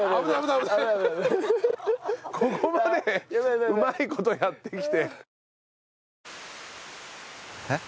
ここまでうまい事やってきて。